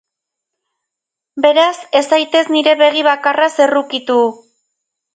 Beraz, ez zaitez nire begi bakarraz errukitu.